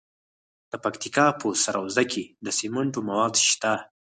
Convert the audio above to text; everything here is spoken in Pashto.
د پکتیکا په سروضه کې د سمنټو مواد شته.